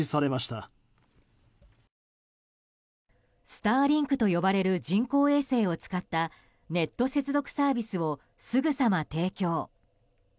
スターリンクと呼ばれる人工衛星を使ったネット接続サービスをすぐさま提供。